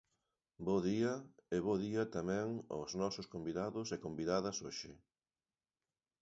Bo día, e bo día tamén aos nosos convidados e convidadas hoxe.